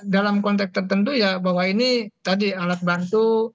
dalam konteks tertentu ya bahwa ini tadi alat bantu